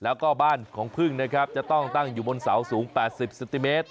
แล้วก็บ้านของพึ่งนะครับจะต้องตั้งอยู่บนเสาสูง๘๐เซนติเมตร